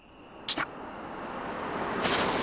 来た。